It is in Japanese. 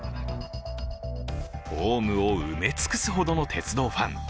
ホームを埋め尽くすほどの鉄道ファン。